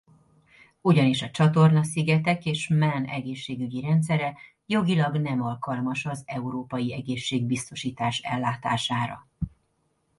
Ugyanis a Csatorna-szigetek és Man egészségügyi rendszere jogilag nem alkalmas az európai egészségbiztosítás ellátására.